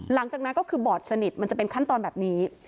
หลังจากนั้นก็คือบอดสนิทมันจะเป็นขั้นตอนแบบนี้